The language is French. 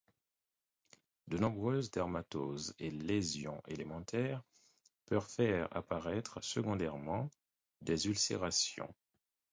De nombreuses dermatoses et lésions élémentaires peuvent faire apparaître secondairement des ulcérations.